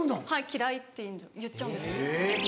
「嫌い」って言っちゃうんです。